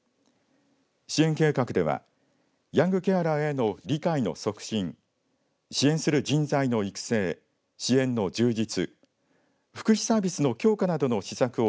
支援計画ではヤングケアラーへの理解の促進支援する人材の育成支援の充実福祉サービスの強化などの施策を